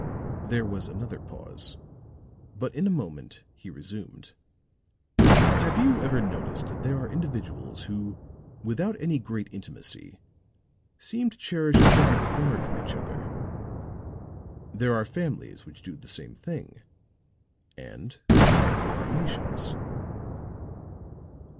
There was another pause, but in a moment he resumed. "Have you ever noticed that there are individuals who, without any great intimacy, seem to cherish a steady regard for each other? There are families which do the same thing. And there are nations.